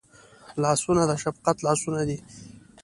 لاسونه د شفقت لاسونه دي